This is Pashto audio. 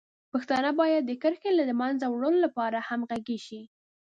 پښتانه باید د دې کرښې د له منځه وړلو لپاره همغږي شي.